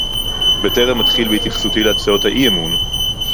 בטרם אתחיל בהתייחסותי להצעות האי-אמון